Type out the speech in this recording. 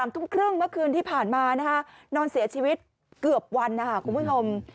ทุ่มครึ่งเมื่อคืนที่ผ่านมานอนเสียชีวิตเกือบวันนะคะคุณผู้ชม